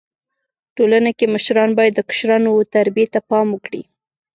ټولنه کي مشران بايد د کشرانو و تربيي ته پام وکړي.